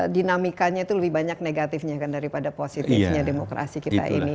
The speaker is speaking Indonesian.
dinamikanya itu lebih banyak negatifnya kan daripada positifnya demokrasi kita ini